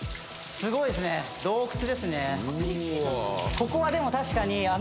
ここはでも確かに。